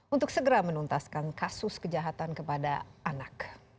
untuk segera menuntaskan kasus kejahatan kepada anak